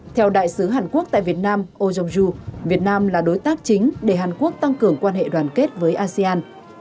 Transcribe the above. theo đại sứ hàn quốc tại việt nam oeong ju việt nam là đối tác chính để hàn quốc tăng cường quan hệ đoàn kết với asean